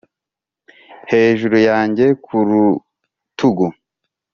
hejuru yanjye, ku rutugu,